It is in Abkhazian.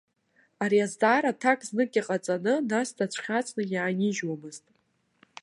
Ари азҵаара аҭак знык иҟаҵаны, нас дацәхьаҵны иаанижьуамызт.